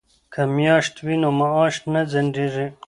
که میاشت وي نو معاش نه ځنډیږي.